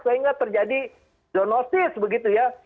sehingga terjadi zoonosis begitu ya